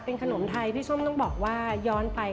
เป็นขนมไทยที่ชมต้องบอกว่ายลไปค่ะ